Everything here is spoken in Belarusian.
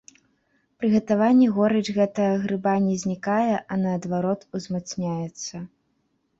Пры гатаванні горыч гэтага грыба не знікае, а наадварот, узмацняецца.